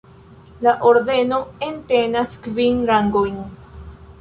La ordeno entenas kvin rangojn.